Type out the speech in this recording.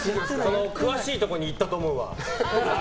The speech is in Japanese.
詳しいところに行ったと思うわ。